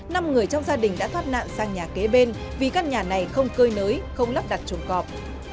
năm người trong gia đình đã thoát nạn sang nhà kế bên vì căn nhà này không cơi nới không lắp đặt chuồng cọp